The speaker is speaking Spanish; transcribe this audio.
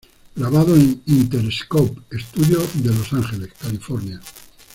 Grabado en "Interscope" estudios de Los Ángeles, California.